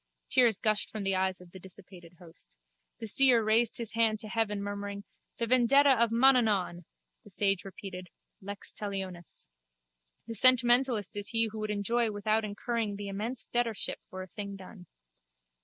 Tears gushed from the eyes of the dissipated host. The seer raised his hand to heaven, murmuring: The vendetta of Mananaun! The sage repeated: Lex talionis. The sentimentalist is he who would enjoy without incurring the immense debtorship for a thing done.